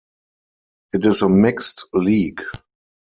It is a mixed league.